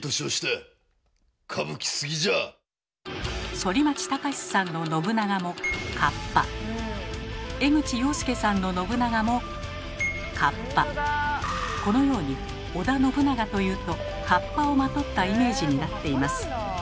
反町隆史さんの信長も江口洋介さんの信長もこのように織田信長というとかっぱをまとったイメージになっています。